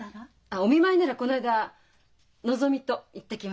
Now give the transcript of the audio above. あっお見舞いならこの間のぞみと行ってきました。